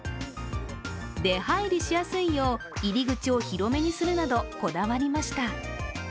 出入りしやすいよう、入り口を広めにするなどこだわりました。